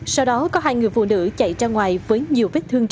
sau đó có hai người phụ nữ chạy ra ngoài với nhiều vết thương